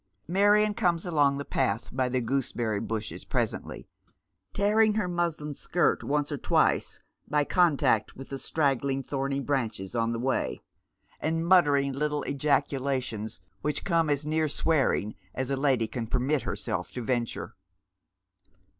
Marion cornes along the path by the gooseberry bushes pre Ilalf Confidence. 137 Bently, tearing her muslin skirt once or twice by contact with the straggling thorny branches on the w»y, and muttering little ejaculations which come as near swearing as a lady can permit herself to venture.